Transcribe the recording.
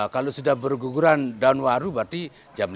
kalau sudah berguguran daun waru berarti jam lima